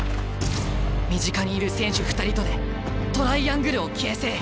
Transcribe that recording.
身近にいる選手２人とでトライアングルを形成。